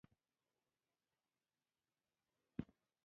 د کرنې عصري طریقې د حاصل کیفیت لوړوي.